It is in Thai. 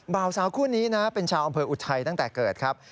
บ่าวสาวคู่นี้นะเป็นชาวอำเภออุทัยตั้งแต่เกิดครับ